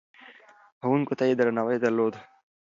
ښوونکو ته يې درناوی درلود.